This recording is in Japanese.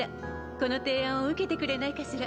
この提案を受けてくれないかしら？